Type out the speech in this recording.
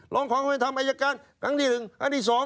ความเป็นธรรมอายการครั้งที่๑ครั้งที่๒